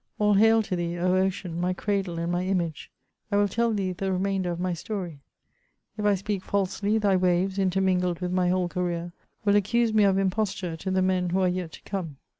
All hail to thee, O Ocean, my cradle and my image ! I will tell thee the remainder of my story. If I speak falsely, thy waves, intermingled with my whole career, will accuse me of imposture to the men who are yet to come.